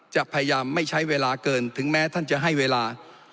จะพยายามไม่ใช้เวลาเกินถึงแม้ท่านจะให้เวลา